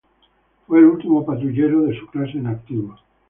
Fue el último patrullero de su clase en activo.